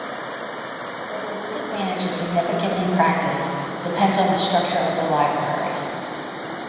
Whether this advantage is significant in practice depends on the structure of the library.